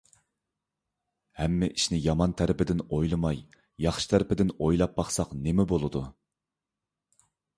ھەممە ئىشنى يامان تەرىپىدىن ئويلىماي، ياخشى تەرىپىدىن ئويلاپ باقساق نېمە بولىدۇ؟